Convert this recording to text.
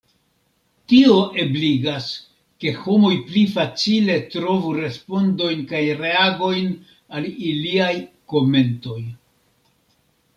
Tio ebligas, ke homoj pli facile trovu respondojn kaj reagojn al iliaj komentoj.